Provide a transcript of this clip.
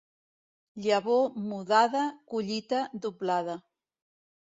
Llavor mudada, collita doblada.